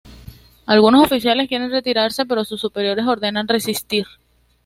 Algunos oficiales quieren retirarse pero sus superiores ordenan resistir.